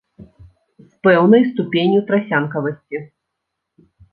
З пэўнай ступенню трасянкавасці.